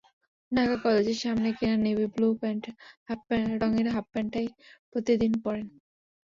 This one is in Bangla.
ঢাকা কলেজের সামনে থেকে কেনা নেভি ব্লু রঙের হাফপ্যান্টটাই প্রতিদিন পরেন।